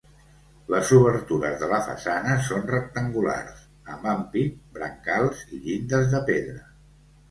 Les obertures de la façana són rectangulars, amb ampit, brancals i llindes de pedra.